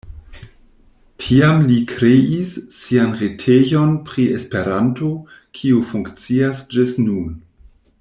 Tiam li kreis sian retejon pri Esperanto, kiu funkcias ĝis nun.